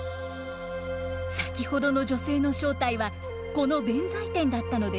先ほどの女性の正体はこの弁財天だったのです。